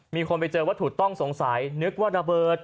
มีคนไปเจอวัตถุต้องสงสัยนึกว่าระเบิด